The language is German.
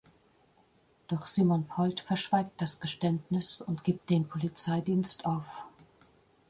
Doch Simon Polt verschweigt das Geständnis und gibt den Polizeidienst auf.